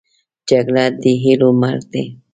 جګړه د هیلو مرګ دی